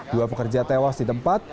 dua pekerja tewas di tempat